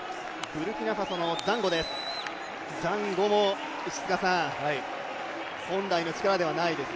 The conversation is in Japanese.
ブルキナファソのザンゴです。